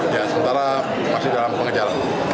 ya sementara masih dalam pengejaran